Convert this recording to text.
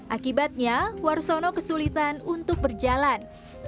akibatnya warsono kesulitan untuk berjalan